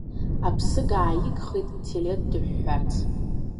Аԥсык ааигхеит Ҭелеҭ дыҳәҳәарц.